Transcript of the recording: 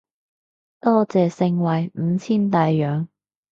多謝盛惠五千大洋